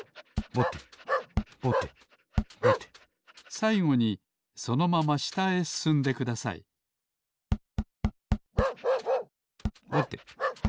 さいごにそのまましたへすすんでくださいぼてぼてぼて。